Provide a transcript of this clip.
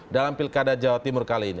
dalam pilkada jawa timur kali ini